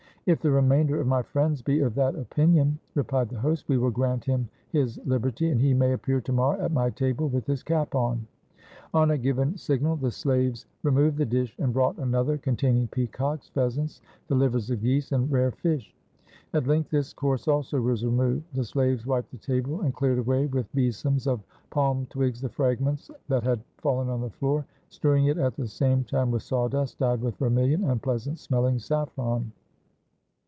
"If the remainder of my friends be of that opin ion," replied the host, "we will grant him his liberty, and he may appear to morrow at my table with his cap on." 480 I A ROMAN BANQUET On a given signal the slaves removed the dish, and brought another containing peacocks, pheasants, the livers of geese, and rare fish. At length this course also was removed, the slaves wiped the table, and cleared away with besoms of palm twigs the fragments that had fallen on the floor, strewing it at the same time with saw dust, dyed with vermilion and pleasant smelling saffron.